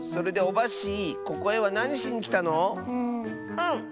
うん。